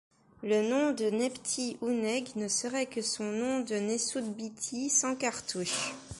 Le nom de Nebty-Ouneg ne serait que son nom de Nesout-bity sans cartouche.